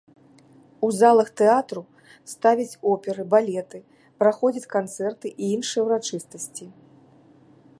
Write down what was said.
У залах тэатру ставяць оперы, балеты, праходзяць канцэрты і іншыя ўрачыстасці.